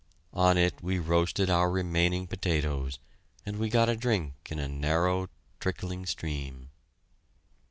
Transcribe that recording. On it we roasted our remaining potatoes, and we got a drink in a narrow, trickling stream.